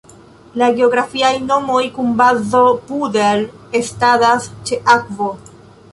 La geografiaj nomoj kun bazo Pudel estadas ĉe akvo.